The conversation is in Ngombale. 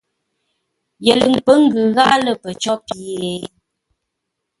Yəlʉ̂ŋ pə́ ngʉ gháʼá lə̂ pəcó pye?